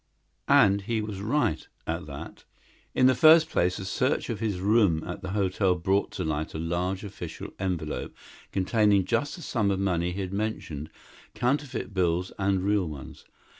And he was right, at that. In the first place, a search of his room at the hotel brought to light a large official envelope containing just the sum of money he had mentioned, counterfeit bills and real ones.